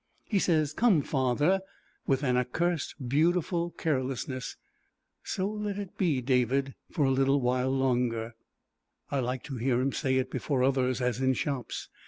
He says, "Come, father," with an accursed beautiful carelessness. So let it be, David, for a little while longer. I like to hear him say it before others, as in shops.